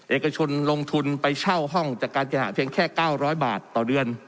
เอกชนลงทุนไปเช่าห้องจากการเคหาเพียงแค่๙๐๐บาทต่อเดือน